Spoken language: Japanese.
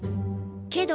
けど。